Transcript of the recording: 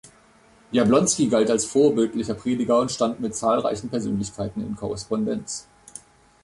Jablonski galt als vorbildlicher Prediger und stand mit zahlreichen Persönlichkeiten in Korrespondenz.